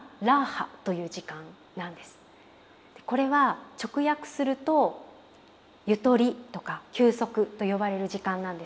これは直訳するとゆとりとか休息と呼ばれる時間なんですけど。